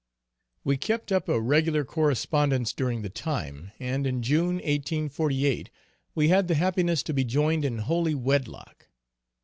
We kept up a regular correspondence during the time, and in June, 1848, we had the happiness to be joined in holy wedlock.